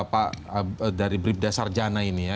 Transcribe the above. pak dari bribda sarjana ini ya